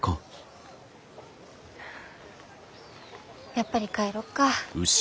やっぱり帰ろうか。